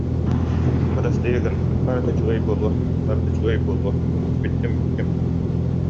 Бырастыы гын, барыта үчүгэй буолуо, барыта үчүгэй буолуо, бүттүм-бүттүм